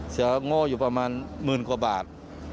เสียงโง่อยู่ก็ประมาณหมื่นกว่าบาท